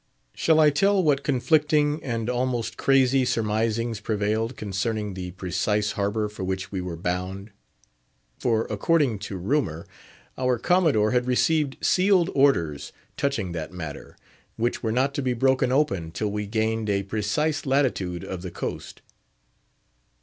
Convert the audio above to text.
Shall I tell what conflicting and almost crazy surmisings prevailed concerning the precise harbour for which we were bound? For, according to rumour, our Commodore had received sealed orders touching that matter, which were not to be broken open till we gained a precise latitude of the coast.